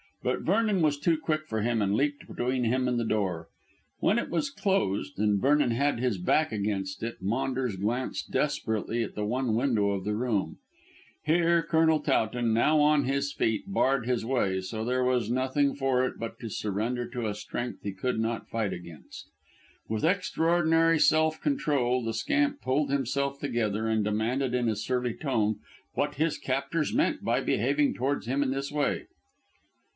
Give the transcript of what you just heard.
But Vernon was too quick for him and leaped between him and the door. When it was closed and Vernon had his back against it Maunders glanced desperately at the one window of the room. Here Colonel Towton, now on his feet, barred his way, so there was nothing for it but to surrender to a strength he could not fight against. With extraordinary self control the scamp pulled himself together and demanded in a surly tone what his captors meant by behaving towards him in this way.